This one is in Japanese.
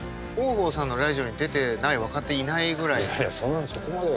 いやいやそんなそこまでは。